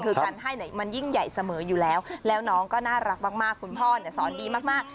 คือการให้เนี่ยมันยิ่งใหญ่เสมออยู่แล้วแล้วน้องก็น่ารักมากคุณพ่อเนี่ยสอนดีมาก